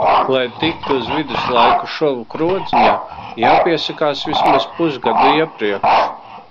Lai tiktu uz viduslaiku šovu krodziņā, jāpiesakās vismaz pusgadu iepriekš.